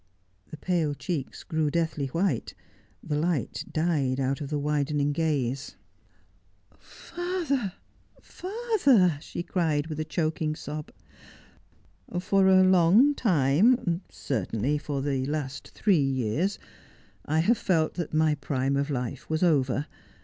The pale cheeks grew deathly white, the light died out of the widening gaze. ' Father ! father !' she cried, with a choking sob. 'For a long time — certainly for the last three years — I have felt that my prime of life was over.